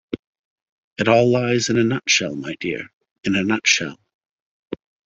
‘It all lies in a nutshell my dear; in a nutshell.'